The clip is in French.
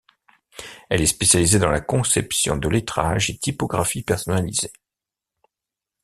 Elle est spécialisée dans la conception de lettrages et typographies personnalisés.